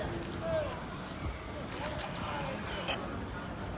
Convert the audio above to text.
อันที่สุดท้ายก็คือภาษาอันที่สุดท้าย